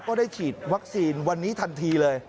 ก็ได้ฉีดวัคซีนวันนี้ทันทีเลย